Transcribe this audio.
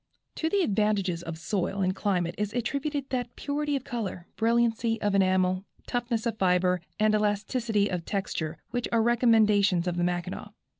To the advantages of soil and climate is attributed that purity of color, brilliancy of enamel, toughness of fibre and elasticity of texture which are recommendations of the Mackinaw.